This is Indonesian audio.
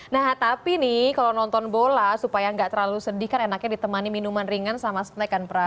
nah tapi nih kalau nonton bola supaya nggak terlalu sedih kan enaknya ditemani minuman ringan sama snack kan pra